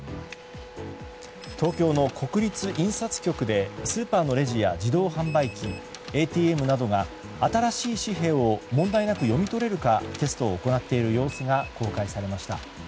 東京の国立印刷局でスーパーのレジや自動販売機、ＡＴＭなどが新しい紙幣を問題なく読み取れるかテストを行っている様子が公開されました。